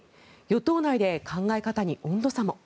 与党内で考え方に温度差も。